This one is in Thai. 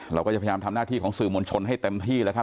เราก็จะพยายามทำหน้าที่ของสื่อมวลชนให้เต็มที่แล้วครับ